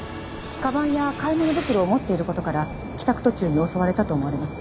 かばんや買い物袋を持っている事から帰宅途中に襲われたと思われます。